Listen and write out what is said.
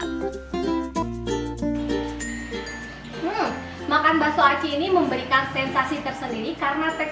hmm makan bakso aci ini memberikan sensasi tersendiri karena teksturnya sangat kenyal